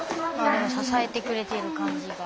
でも支えてくれている感じが。